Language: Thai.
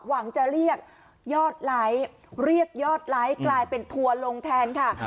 หวังจะเรียกยอดไลค์เรียกยอดไลค์กลายเป็นทัวร์ลงแทนค่ะ